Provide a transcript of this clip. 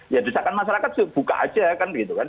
ya disakan masyarakat buka saja kan gitu kan